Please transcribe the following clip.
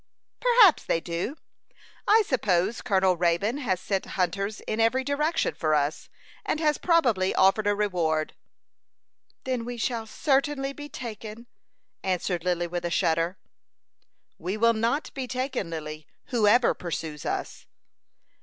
"Perhaps they do. I suppose Colonel Raybone has sent hunters in every direction for us, and has probably offered a reward." "Then we shall certainly be taken," answered Lily, with a shudder. "We will not be taken, Lily, whoever pursues us."